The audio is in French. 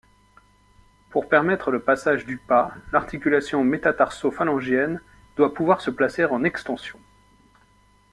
Pour permettre le passage du pas, l'articulation métatarso-phalangienne doit pouvoir se placer en extension.